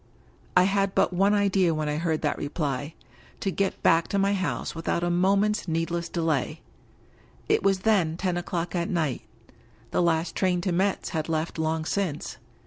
I had but one idea when I heard that reply — ^to get back to my house without a moment's needless delay. It was then ten o'clock at night — ^the last train to Metz had left long since.